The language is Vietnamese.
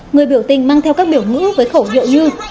người biểu tình mang theo các biểu ngữ với khẩu hiệu như